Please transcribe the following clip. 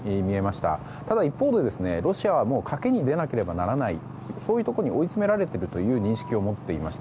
ただ一方で、ロシアはもう賭けに出なければならないそういうところに追い詰められているという認識を持っていました。